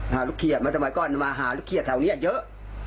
หาลูกเคียดมันทำไมก็มาหาลูกเคียดแถวเนี่ยเยอะ